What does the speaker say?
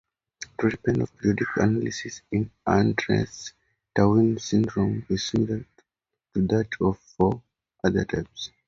Treatment of periodic paralysis in Andersen-Tawil syndrome is similar to that for other types.